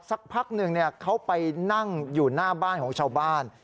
สักพักหนึ่งเขาไปนั่งอยู่หน้าบ้านของชาวบ้าน